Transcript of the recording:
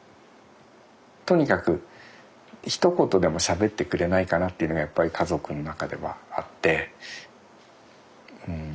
とにかくひと言でもしゃべってくれないかなっていうのがやっぱり家族の中ではあってうん。